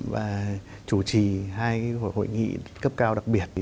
và chủ trì hai hội nghị cấp cao đặc biệt